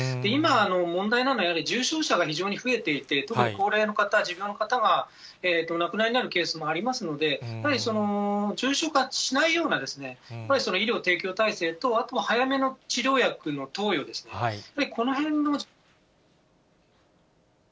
今、問題なのはやはり、重症者が非常に増えていて、特に高齢の方、持病の方はお亡くなりになるケースもありますので、やはり重症化しないような医療提供体制と、あとは早めの治療薬の投与ですね、このへんの。